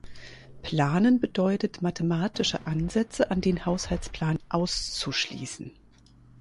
Planen bedeutet, mathematische Ansätze an den Haushaltsplan auszuschließen.